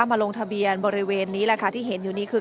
มาลงทะเบียนบริเวณนี้แหละค่ะที่เห็นอยู่นี้คือ